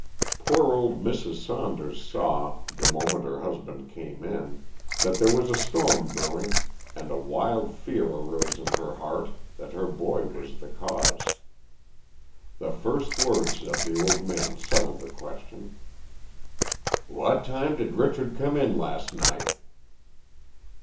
Poor old Mrs. Saunders saw, the moment her husband came in, that there was a storm brewing, and a wild fear arose in her heart that her boy was the cause. The first words of the old man settled the question. "What time did Richard come in last night?"